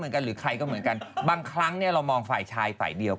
ไม่ไม่ไม่ไม่ไม่ไม่ไม่ไม่ไม่